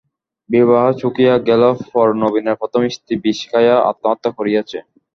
বিবাহ চুকিয়া গেলে পর নবীনের প্রথমা স্ত্রী বিষ খাইয়া আত্মহত্যা করিয়াছে।